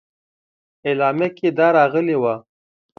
اعلامیه کې دا راغلي وه.